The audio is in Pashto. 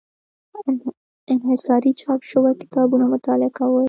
انحصاري چاپ شوي کتابونه مطالعه کول.